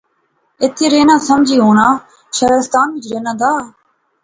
ایتھیں رہنا سمجھی ہنا شعرستان وچ رہنا دا